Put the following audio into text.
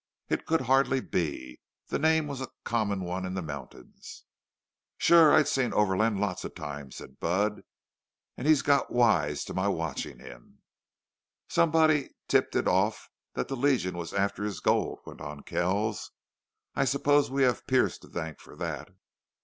It could hardly be; that name was a common one in the mountains. "Shore, I seen Overland lots of times," said Budd. "An' he got wise to my watchin' him." "Somebody tipped it off that the Legion was after his gold," went on Kells. "I suppose we have Pearce to thank for that.